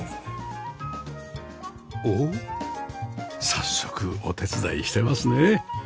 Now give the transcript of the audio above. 早速お手伝いしてますね